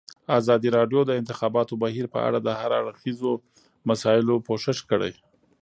ازادي راډیو د د انتخاباتو بهیر په اړه د هر اړخیزو مسایلو پوښښ کړی.